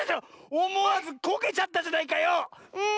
おもわずこけちゃったじゃないかよ！